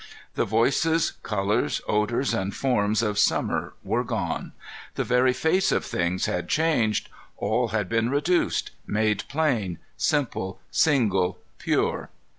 The voices, colors, odors, and forms of summer were gone. The very face of things had changed; all had been reduced, made plain, simple, single, pure!